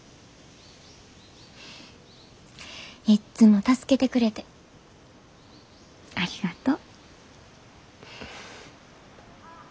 いっつも助けてくれてありがとう。